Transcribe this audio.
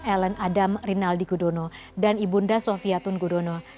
ellen adam rinaldi gudono dan ibunda sofia tun gudono